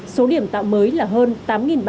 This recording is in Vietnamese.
số điểm tạo mới là hơn